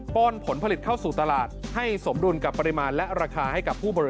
โปรดติดตามต่อไป